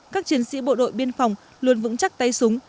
các chiến sĩ bộ đội biên phòng luôn vững chắc tay súng